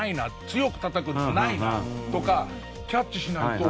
強くたたくとかないな」とかキャッチしないと。